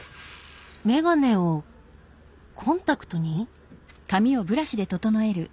眼鏡をコンタクトに？